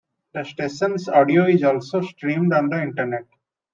The station's audio is also streamed on the internet.